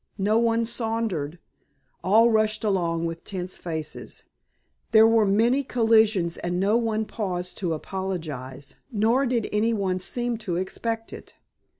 No one sauntered, all rushed along with tense faces; there were many collisions and no one paused to apologize, nor did any one seem to expect it.